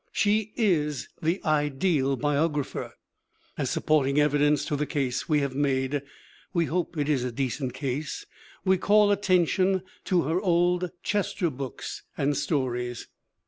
She is the ideal biographer. As supporting evidence to the case we have made (we hope it is a decent case) we call attention to her Old Chester books and stories.